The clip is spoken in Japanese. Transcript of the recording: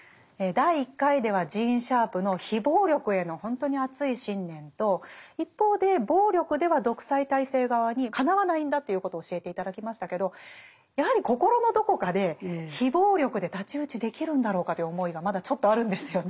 第１回ではジーン・シャープの非暴力へのほんとに熱い信念と一方で暴力では独裁体制側にかなわないんだということを教えて頂きましたけどやはり心のどこかで非暴力で太刀打ちできるんだろうかという思いがまだちょっとあるんですよね。